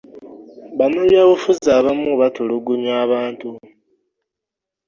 Bannabyabufuzi abamu batulugunya abantu.